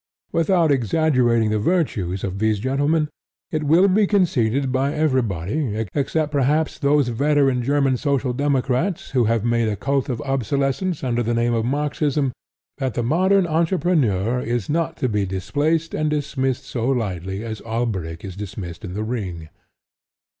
Now, without exaggerating the virtues of these gentlemen, it will be conceded by everybody except perhaps those veteran German Social Democrats who have made a cult of obsolescence under the name of Marxism, that the modern entrepreneur is not to be displaced and dismissed so lightly as Alberic is dismissed in The Ring.